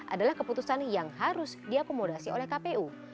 adalah keputusan yang harus diakomodasi oleh kpu